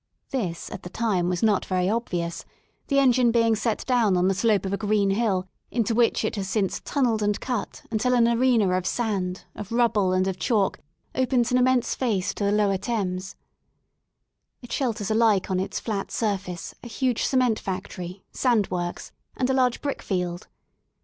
This at the time was not very obvious, the engine being set down on the slope of a green hill into which it has since tunnelled and cut until an arena of sand, of rubble and of chalk, opens an immense face to the lower Thames, It shelters alike on its flat surface a huge cement factory, sand works, and a large brickfield.